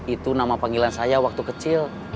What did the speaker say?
itu nama panggilan saya waktu kecil